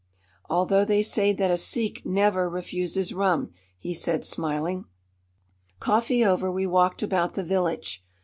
"Although they say that a Sikh never refuses rum!" he said, smiling. Coffee over, we walked about the village.